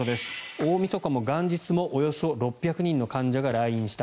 大みそかも元日もおよそ６００人の患者が来院した。